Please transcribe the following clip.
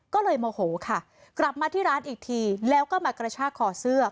ก็เลยโมโหค่ะกลับมาที่ร้านอีกทีแล้วก็มากระชากคอเสื้อ